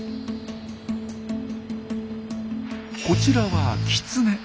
こちらはキツネ。